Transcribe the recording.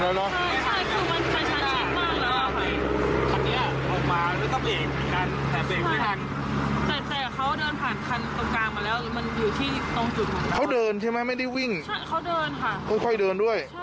ใช่หนูก็เหล่งไม่ทันแล้วนะจริงนั้น